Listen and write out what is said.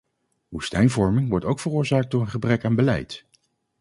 Woestijnvorming wordt ook veroorzaakt door een gebrek aan beleid.